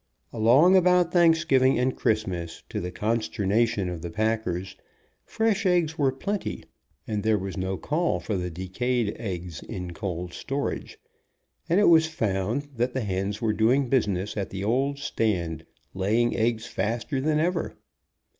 Along about Thanksgiving and Christ mas, to the consternation of the packers, fresh eggs were plenty, and there was no call for the de cayed eggs, in cold stor age, and it was found that the hens were doing business at the old stand, laying eggs faster than ever.